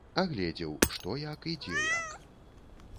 Агледзеў, што як і дзе як.